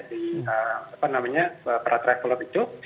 di apa namanya para traveler itu